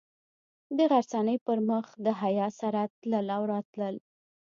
د غرڅنۍ پر مخ د حیا سره تلل او راتلل.